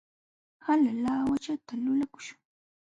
Hala laawachata lulakuśhun.